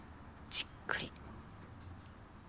じっくり。